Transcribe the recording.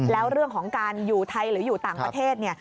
แล้วเรื่องของการอยู่ไทยหรืออยู่ต่างประเทศเนี่ย